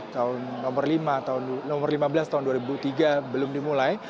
tahun nomor lima belas tahun dua ribu tiga belum dimulai